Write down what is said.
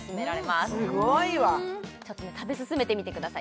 すごいわ食べ進めてみてください